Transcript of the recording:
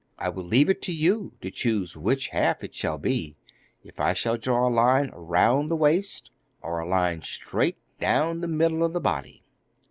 I will leave it to you to choose which half it shall be if I shall draw a line round the waist, or a line straight down the middle of the body.